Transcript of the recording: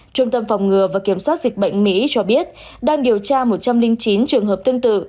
trung tâm phòng ngừa và kiểm soát dịch bệnh mỹ cho biết đang điều tra một trăm linh chín trường hợp tương tự